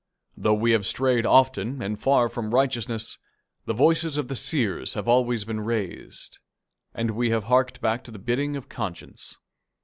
Though we have strayed often and far from righteousness, the voices of the seers have always been raised, and we have harked back to the bidding of conscience.